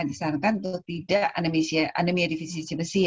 disarankan untuk tidak anemia divisi besi